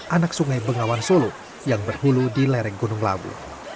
anak sungai bengawan solo yang berhulu di lereng gunung labu